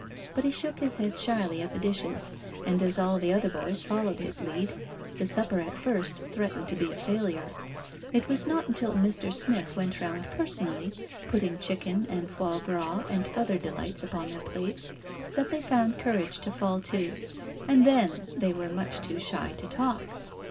But he shook his head shyly at the dishes, and as all the other boys followed his lead, the supper at first threatened to be a failure. It was not until Mr. Smith went round personally putting chicken and foie gras and other delights upon their plates, that they found courage to fall to, and then they were much too shy to talk.